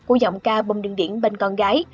của giọng ca bông đường điển bên con gái